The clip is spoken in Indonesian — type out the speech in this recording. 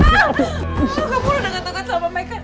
senang kamu udah gak tau kan sama meka